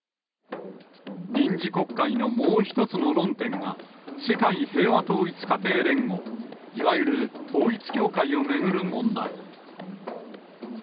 臨時国会のもう一つの論点が、世界平和統一家庭連合、いわゆる統一教会を巡る問題。